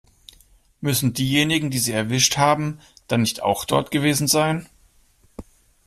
Müssen diejenigen, die sie erwischt haben, dann nicht auch dort gewesen sein?